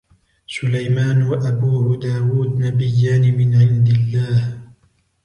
سليمان وأبوه داود نبيان من عند الله.